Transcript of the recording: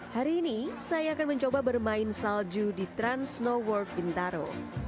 hari ini saya akan mencoba bermain salju di trans snow world bintaro